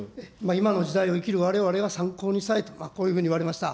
今の時代を生きるわれわれが参考にしたいと、こういうふうに言われました。